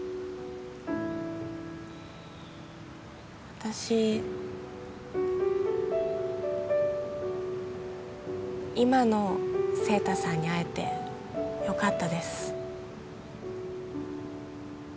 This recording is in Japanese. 私今の晴太さんに会えてよかったです